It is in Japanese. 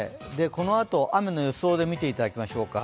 このあと雨の予想で見ていただきましょうか。